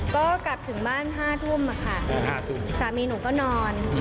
ก็กลับถึงบ้าน๕ทุ่มค่ะสามีหนูก็นอน